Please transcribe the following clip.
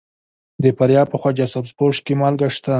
د فاریاب په خواجه سبز پوش کې مالګه شته.